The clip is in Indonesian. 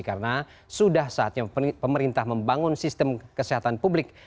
karena sudah saatnya pemerintah membangun sistem kesehatan publik